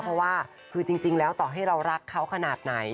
เพราะว่าคือจริงแล้วต่อให้เรารักเขาขนาดไหน